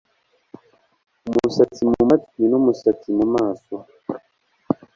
umusatsi mu matwi n'umusatsi mu maso